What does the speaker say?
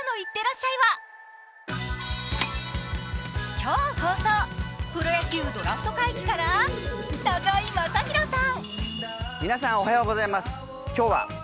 今日放送、プロ野球ドラフト会議から中居正広さん。